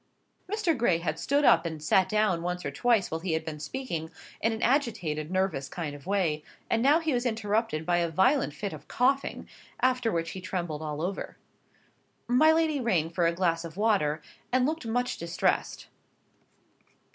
Mr. Gray had stood up and sat down once or twice while he had been speaking, in an agitated, nervous kind of way, and now he was interrupted by a violent fit of coughing, after which he trembled all over. My lady rang for a glass of water, and looked much distressed.